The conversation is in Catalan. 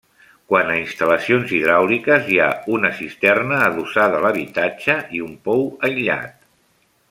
Quant a instal·lacions hidràuliques hi ha una cisterna adossada a l'habitatge i un pou aïllat.